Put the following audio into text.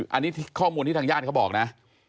อันนี้ข้อมูลที่ทางญาติเขาบอกนะ